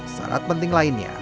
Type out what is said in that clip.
sarat penting lainnya